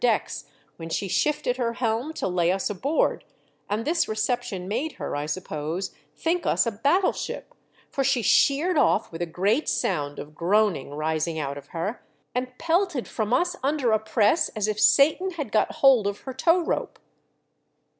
353 decks when she shifted her helm to lay us aboard, and this reception made her, I suppose, think us a battle ship, for she sheered off with a great sound of groaning rising out of her, and pelted from us under a press as if Satan had got hold of her tow rope.